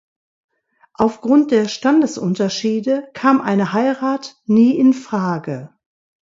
Aufgrund der Standesunterschiede kam eine Heirat nie in Frage.